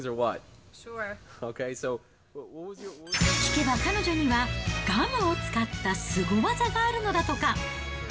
聞けば、彼女にはガムを使ったスゴ技があるのだとか。